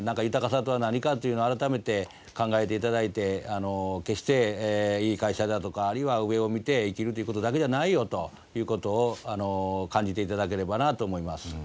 豊かさとは何かというのを改めて考えていただいて決していい会社だとかあるいは上を見て生きるということだけじゃないよということを感じていただければなと思います。